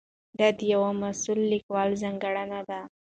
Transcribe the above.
دا د یوه مسؤل لیکوال ځانګړنه ده.